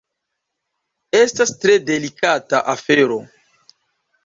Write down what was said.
Estas tre delikata afero.